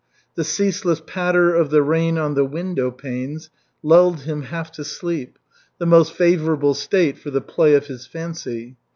The ceaseless patter of the rain on the window panes lulled him half to sleep the most favorable state for the play of his fancy.